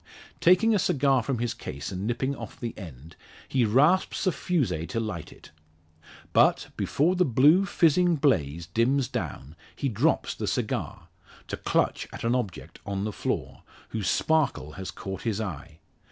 Taking a cigar from his case and nipping off the end, he rasps a fusee to light it. But, before the blue fizzing blaze dims down he drops the cigar to clutch at an object on the floor, whose sparkle has caught his eye.